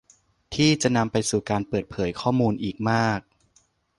ที่จะนำไปสู่การเปิดเผยข้อมูลอีกมาก